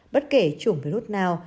bất kể chủng virus nào